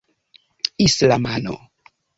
islamano